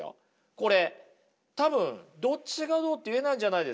これ多分どっちがどうって言えないんじゃないですか？